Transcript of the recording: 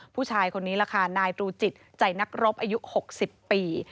ผู้ชายคนนี้ล่ะค่ะนายตรูจิตใจนักรบอายุ๖๐ปี